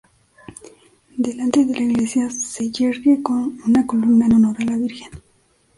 Delante de la iglesia se yergue una columna en honor a la Virgen.